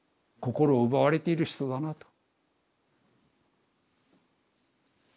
「心を奪われている人だな」と。